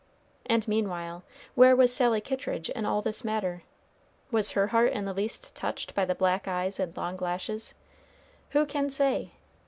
And meanwhile, where was Sally Kittridge in all this matter? Was her heart in the least touched by the black eyes and long lashes? Who can say?